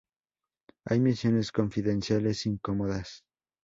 Hay misiones confidenciales incómodas..